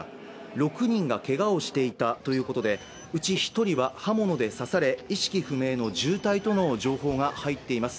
６人がけがをしていたということで、うち１人は刃物で刺され意識不明の重体との情報が入っています。